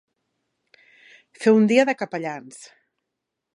Fer un dia de capellans.